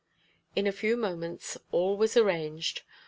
In a few moments all was arranged.